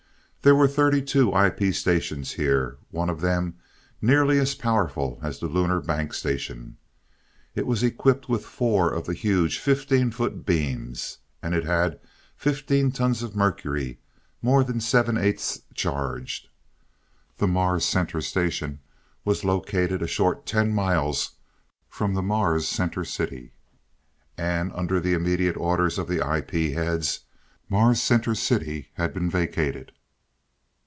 There were thirty two IP stations here, one of them nearly as powerful as the Lunar Bank station. It was equipped with four of the huge fifteen foot beams. And it had fifteen tons of mercury, more than seven eighths charged. The Mars Center Station was located a short ten miles from the Mars Center City, and under the immediate orders of the IP heads, Mars Center City had been vacated.